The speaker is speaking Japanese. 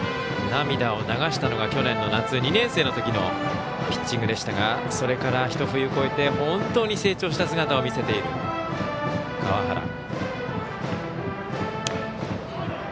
涙を流したのが去年の夏２年生のときのピッチングでしたがそれから一冬越えて本当に成長した姿を見せている川原。